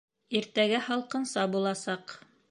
Иртәгә һалҡынса буласаҡ